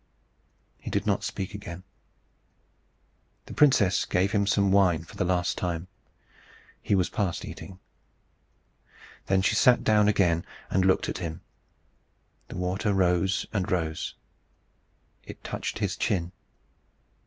He did not speak again. The princess gave him some wine for the last time: he was past eating. Then she sat down again, and looked at him. The water rose and rose. It touched his chin.